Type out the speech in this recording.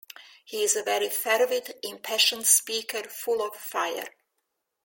He is a very fervid, impassioned speaker — full of fire!